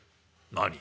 「何？